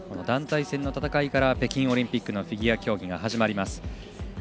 団体戦の戦いから北京オリンピックのフィギュア競技が始まります。